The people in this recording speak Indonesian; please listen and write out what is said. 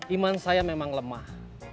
iman saya memang lemah